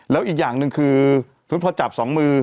แล้วอีกอย่างหนึ่งคือสมมุติพอจับสองมือ